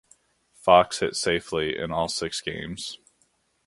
Fox hit safely in all six games.